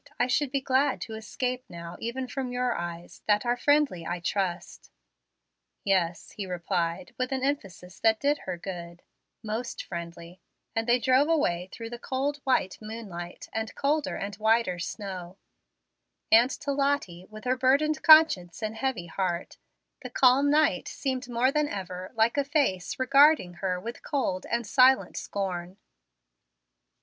I should be glad to escape now even from your eyes, that are friendly, I trust." "Yes," he replied, with an emphasis that did her good, "most friendly"; and they drove away through the cold white moonlight and colder and whiter snow; and to Lottie, with her burdened conscience and heavy heart, the calm night seemed more than ever like a face regarding her with cold and silent scorn.